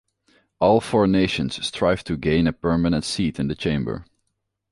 All four nations strive to gain a permanent seat in the chamber.